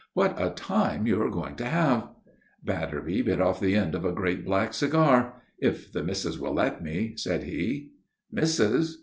What a time you are going to have!" Batterby bit off the end of a great black cigar. "If the missus will let me," said he. "Missus?